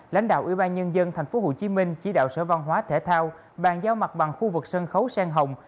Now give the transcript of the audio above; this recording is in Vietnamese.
lãnh đạo ủy ban nhân dân tp hcm chỉ đạo sở văn hóa thể thao bàn giao mặt bằng khu vực sân khấu sen hồng